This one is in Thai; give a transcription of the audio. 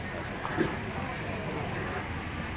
ทุกวันใหม่ทุกวันใหม่